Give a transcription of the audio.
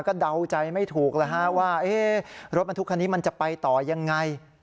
ก็เดาใจไม่ถูกแล้วฮะว่ารถบรรทุกคันนี้มันจะไปต่อยังไง